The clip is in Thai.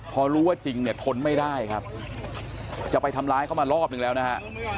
พอรู้ว่าจริงเนี่ยทนไม่ได้ครับจะไปทำร้ายเขามารอบนึงแล้วนะฮะ